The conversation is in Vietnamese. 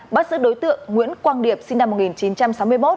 bắt giữ đối tượng nguyễn quang điệp sinh năm một nghìn chín trăm sáu mươi một